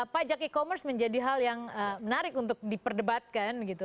pajak e commerce menjadi hal yang menarik untuk diperdebatkan gitu